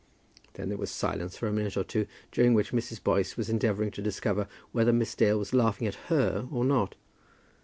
Then there was silence for a minute or two, during which Mrs. Boyce was endeavouring to discover whether Miss Dale was laughing at her or not.